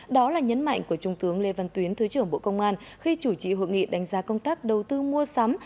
đó là nhấn mạnh của trung tướng lê văn tuyến thứ trưởng bộ công an khi chủ trị hội nghị đánh giá công tác đầu tư mua sắm